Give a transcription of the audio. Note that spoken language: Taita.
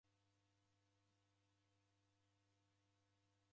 Netumia magome kisha